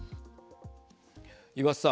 岩田さん。